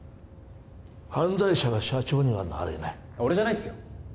犯罪者は社長にはなれない俺じゃないっすよ